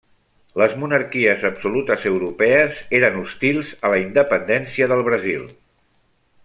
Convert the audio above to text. Les monarquies absolutes europees eren hostils a la independència del Brasil.